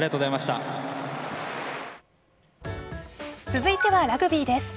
続いてはラグビーです。